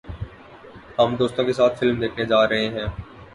ہم دوستوں کے ساتھ فلم دیکھنے جا رہے ہیں